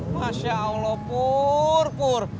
masya allah pur pur